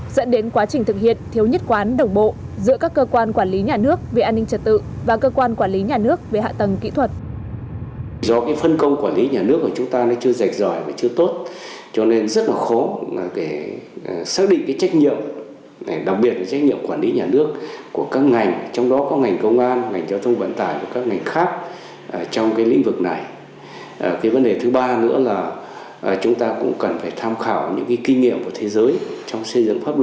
dẫn đến quá trình thực hiện thiếu nhất quán đồng bộ giữa các cơ quan quản lý nhà nước về an ninh trật tự và cơ quan quản lý nhà nước về hạ tầng kỹ thuật